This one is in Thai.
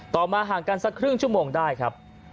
มาห่างกันสักครึ่งชั่วโมงได้ครับ